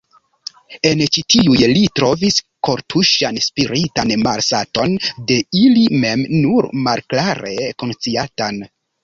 En ĉi tiuj li trovis kortuŝan spiritan malsaton, de ili mem nur malklare konsciatan.